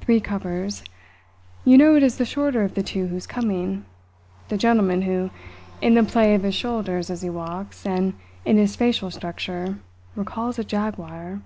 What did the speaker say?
Three covers. You know it is the shorter of the two who's coming the gentleman who, in the play of his shoulders as he walks, and in his facial structure, recalls a Jaguar.